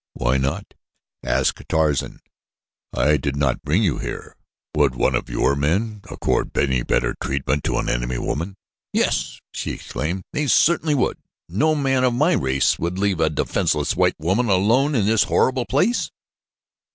"Why not?" asked Tarzan. "I did not bring you here. Would one of your men accord any better treatment to an enemy woman?" "Yes," she exclaimed. "They certainly would. No man of my race would leave a defenseless white woman alone in this horrible place."